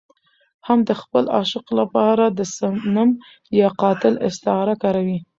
هم د خپل عاشق لپاره د صنم يا قاتل استعاره کاروي.